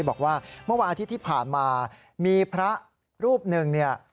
บอกว่าเมื่อวานาทีที่ผ่านมามีพระรูปหนึ่ง